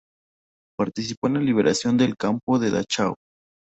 Participó en la liberación del campo de Dachau.